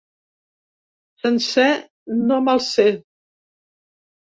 Sencer, no me’l sé.